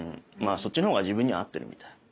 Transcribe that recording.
そっちのほうが自分には合ってるみたい。